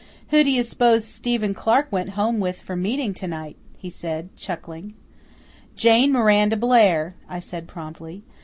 "Who do you s'pose Stephen Clark went home with from meeting to night?" he said, chuckling. "Jane Miranda Blair," I said promptly.